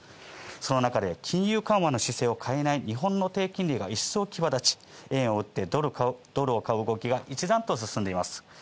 その中で金融緩和の姿勢を変えない日本の低金利がいっそう際立ち、円を売ってドルを買う動きが一段と進んでいます。